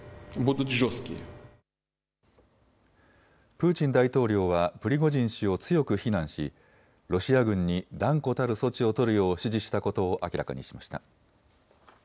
プーチン大統領はプリゴジン氏を強く非難しロシア軍に断固たる措置を取るよう指示したことを明らかにしました。